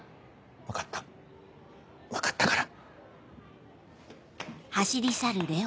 分かった分かったから。